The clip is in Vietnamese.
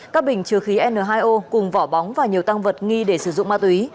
các bình chứa khí n hai o cùng vỏ bóng và nhiều tăng vật nghi để sử dụng ma túy